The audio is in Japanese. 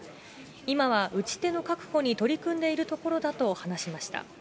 今は打ち手の確保に取り組んでいるところだと話しました。